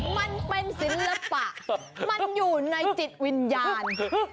มันเป็นศิลปะมันอยู่ในจิตวิญญาณ